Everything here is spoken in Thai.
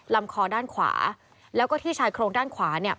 ลำคอด้านขวาแล้วก็ที่ชายโครงด้านขวาเนี่ย